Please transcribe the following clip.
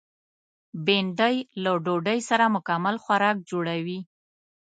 بېنډۍ له ډوډۍ سره مکمل خوراک جوړوي